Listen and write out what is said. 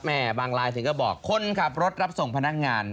บางลายถึงก็บอกคนขับรถรับส่งพนักงาน